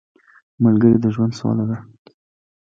ملګری د ژوند سوله ده